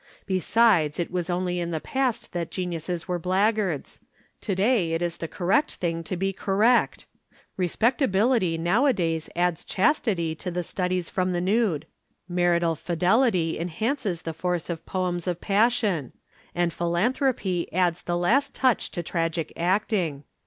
Besides it was only in the past that geniuses were blackguards; to day it is the correct thing to be correct. Respectability nowadays adds chastity to the studies from the nude; marital fidelity enhances the force of poems of passion: and philanthropy adds the last touch to tragic acting.